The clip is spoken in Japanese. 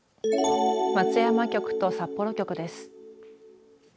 松山局と札幌局です。